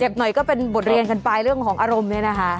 เจ็บหน่อยก็เป็นบทเรียนกันปลายเรื่องของอารมณ์เลยนะคะ